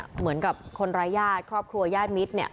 เหมือนกับคนร้ายญาติครอบครัวญาติมิตรเนี่ย